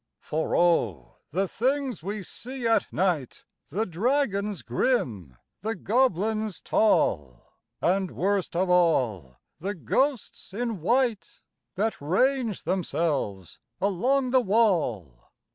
For O! the things we see at night The dragons grim, the goblins tall, And, worst of all, the ghosts in white That range themselves along the wall!